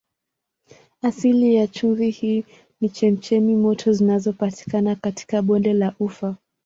Asili ya chumvi hii ni chemchemi moto zinazopatikana katika bonde la Ufa.